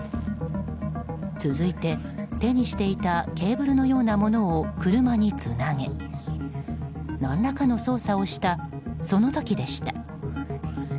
続いて、手にしていたケーブルのようなものを車につなげ、何らかの操作をしたその時でした。